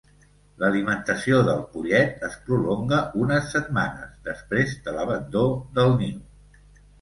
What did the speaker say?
L'alimentació del pollet es prolonga unes setmanes després de l'abandó del niu.